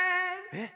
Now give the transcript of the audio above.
・えっ